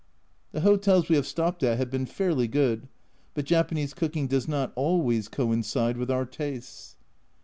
The hotels we have stopped at have been fairly good, but Japanese cooking does not always coincide with our tastes.